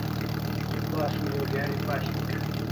Basun o geri pashik